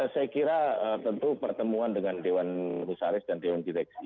saya kira tentu pertemuan dengan dewan komisaris dan dewan direksi